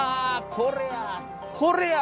これや！